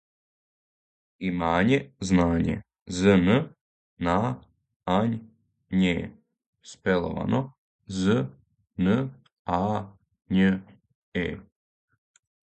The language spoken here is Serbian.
Имање знање, зн на ањ ње. Спеловано з н а њ е.